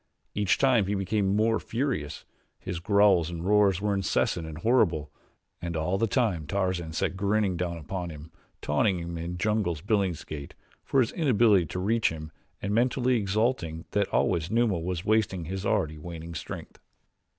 Each time he became more furious. His growls and roars were incessant and horrible and all the time Tarzan sat grinning down upon him, taunting him in jungle billingsgate for his inability to reach him and mentally exulting that always Numa was wasting his already waning strength.